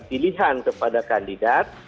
pilihan kepada kandidat